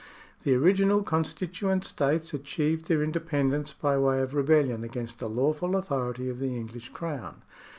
The original constituent states achieved their independence by way of rebellion against the lawful authority of the English Crown.